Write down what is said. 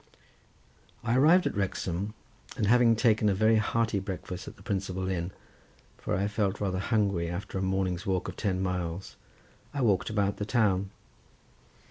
I arrived at Wrexham, and having taken a very hearty breakfast at the principal inn, for I felt rather hungry after a morning's walk of ten miles, I walked about the town.